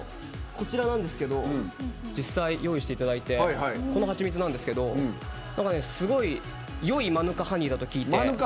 実際、用意していただいたハチミツなんですけどすごいよいマヌカハニーだと聞いて。